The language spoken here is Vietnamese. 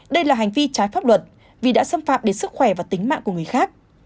đây là hành vi trái pháp luật vì đã xâm phạm đến sức khỏe và tính mạng của người khác